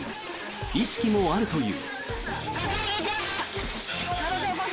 意識もあるという。